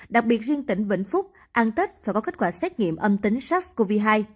đặc biệt riêng tỉnh vĩnh phúc ăn tết và có kết quả xét nghiệm âm tính sars cov hai